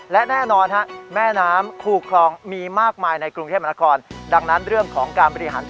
และแน่นอนแม่น้ำคู่คลองมีมากมายในกรุงเทพมนาคอล